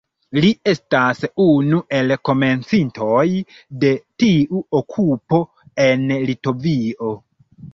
Li estas unu el komencintoj de tiu okupo en Litovio.